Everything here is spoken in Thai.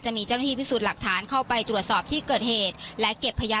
มีเจ้าหน้าที่พิสูจน์หลักฐานเข้าไปตรวจสอบที่เกิดเหตุและเก็บพยาน